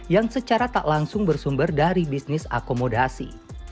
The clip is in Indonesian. yang secara tak langsung bersumber dari bisnis akomodasi